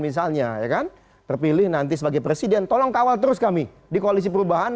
misalnya ya kan terpilih nanti sebagai presiden tolong kawal terus kami di koalisi perubahan